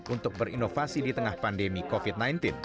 untuk berinovasi di tengah pandemi covid sembilan belas